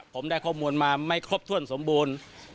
ผมได้ข้อมูลมาไม่ครบถ้วนสมบูรณ์